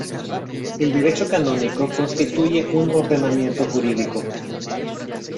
El derecho canónico constituye un ordenamiento jurídico.